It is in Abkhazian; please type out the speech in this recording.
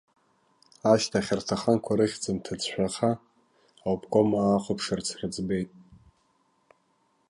Ашьҭахь арҭ аханқәа рыхьӡ анҭыӡшәаха, аобкомаа ахәаԥшырц рыӡбеит.